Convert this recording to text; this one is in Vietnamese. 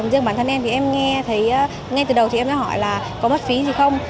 riêng bản thân em thì em nghe thấy ngay từ đầu thì em đã hỏi là có mất phí gì không